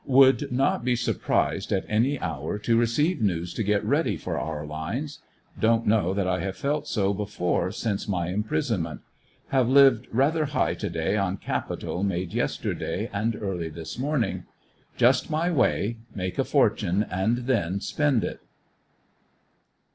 Would not be surprised at any hour to receive news to get ready for our lines. Don't Rnow that I have felt so before since my imprisonment. Have lived rather high to day on capital made yesterday and early this morning. Just my way — make a fortune and then spend it.